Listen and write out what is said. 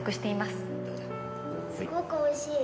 すごく美味しい。